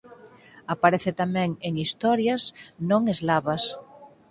Aparece tamén en historias non eslavas.